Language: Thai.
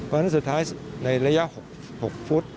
เพราะฉะนั้นสุดท้ายในระยะ๖ฟุต